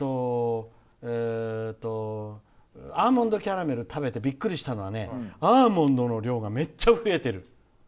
アーモンドキャラメル食べてびっくりしたのはアーモンドの量がめっちゃ増えてる。